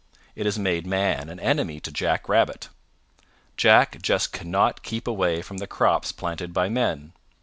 It has made man an enemy to Jack Rabbit. Jack just cannot keep away from the crops planted by men.